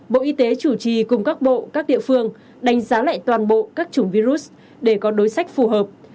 bộ y tế chủ trì cùng các bộ các địa phương đánh giá lại toàn bộ các chủng virus để có đối sách phù hợp